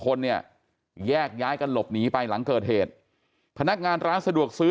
คนเนี่ยแยกย้ายกันหลบหนีไปหลังเกิดเหตุพนักงานร้านสะดวกซื้อ